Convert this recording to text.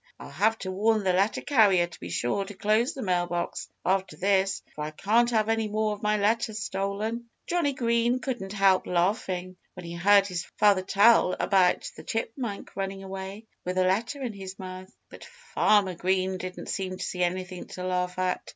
"I'll have to warn the letter carrier to be sure to close the mail box after this, for I can't have any more of my letters stolen." Johnnie Green couldn't help laughing, when he heard his father tell about the chipmunk running away with a letter in his mouth. [Illustration: "Here's a Letter for Me!" Said Sandy Chipmunk] But Farmer Green didn't seem to see anything to laugh at.